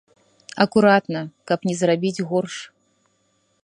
Акуратна, каб не зрабіць горш.